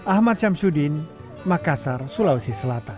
ahmad syamsuddin makassar sulawesi selatan